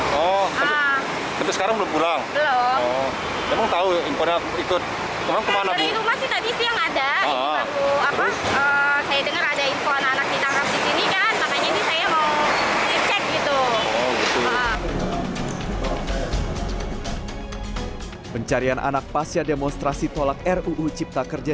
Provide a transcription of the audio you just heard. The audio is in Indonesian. polres jakarta utara mencari anak pasca demonstrasi tolak ruu cipta kerja